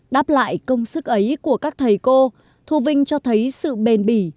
đáp lại công sức ấy của các thầy cô thu vinh cho thấy sự bền bỉ